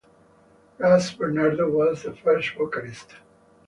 Ras Bernardo was the first vocalist.